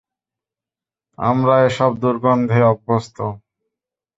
আমরা এসব দুর্গন্ধে অভ্যস্ত।